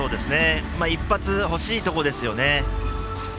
一発欲しいところですよね。